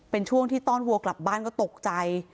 เป็นช่วงที่ต้อนวัวกลับบ้านก็ตกใจ